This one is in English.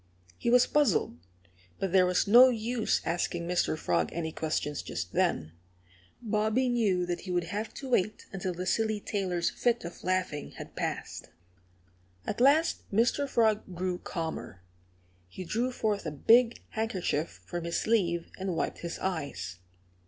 He was puzzled; but there was no use asking Mr. Frog any questions just then Bobby knew that he would have to wait until the silly tailor's fit of laughing had passed. At last Mr. Frog grew calmer. He drew forth a big handkerchief from his sleeve and wiped his eyes.